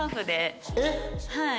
はい。